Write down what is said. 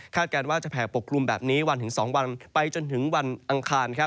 การว่าจะแผ่ปกคลุมแบบนี้วันถึง๒วันไปจนถึงวันอังคาร